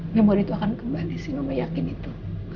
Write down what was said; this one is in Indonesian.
memori itu akan kembali mama yakin itu